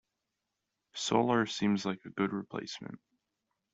Solar seems like a good replacement.